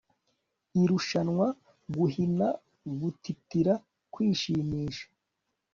Irushanwa guhina gutitira kwishimisha